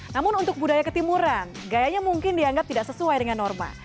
namun untuk budaya ketimuran gayanya mungkin dianggap tidak sesuai dengan norma